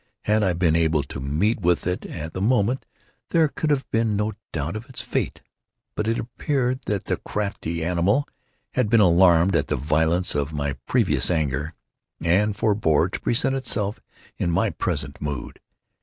Had I been able to meet with it, at the moment, there could have been no doubt of its fate; but it appeared that the crafty animal had been alarmed at the violence of my previous anger, and forebore to present itself in my present mood.